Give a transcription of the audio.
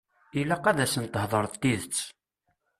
Ilaq ad asen-theḍṛeḍ tidet.